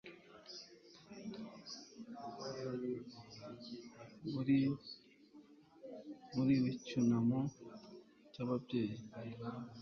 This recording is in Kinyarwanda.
Murmur wicyunamo cyababyeyi